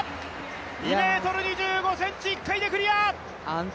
２ｍ２５ｃｍ、１回でクリア！